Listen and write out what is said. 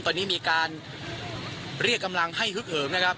ตอนนี้มีการเรียกกำลังให้ฮึกเหิมนะครับ